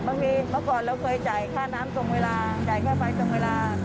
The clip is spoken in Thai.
เมื่อก่อนเราเคยจ่ายค่าน้ำตรงเวลาจ่ายค่าไฟตรงเวลา